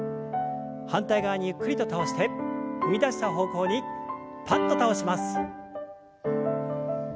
反対側にゆっくりと倒して踏み出した方向にパッと倒します。